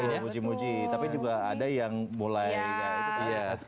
iya tapi juga ada yang boleh